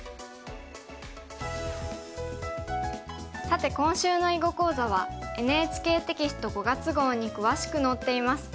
さて今週の囲碁講座はＮＨＫテキスト５月号に詳しく載っています。